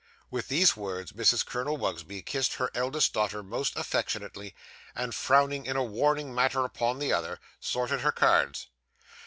With these words Mrs. Colonel Wugsby kissed her eldest daughter most affectionately, and frowning in a warning manner upon the other, sorted her cards.